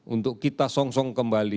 untuk kita song song kembali